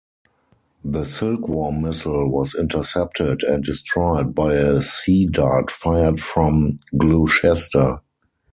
The Silkworm missile was intercepted and destroyed by a Sea Dart fired from "Gloucester".